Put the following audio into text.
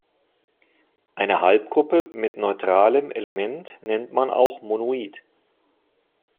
Eine Halbgruppe mit neutralem Element nennt man auch "Monoid".